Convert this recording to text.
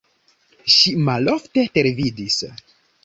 Ŝi malofte televidis.